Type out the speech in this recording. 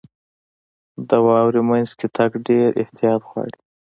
• د واورې مینځ کې تګ ډېر احتیاط غواړي.